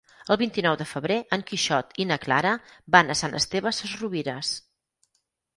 El vint-i-nou de febrer en Quixot i na Clara van a Sant Esteve Sesrovires.